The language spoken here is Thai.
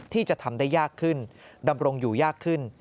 ที่จะทำได้ยากขึ้นดำรงอยู่ยากขึ้น